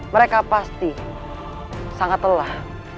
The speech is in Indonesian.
mereka pasti sangat telah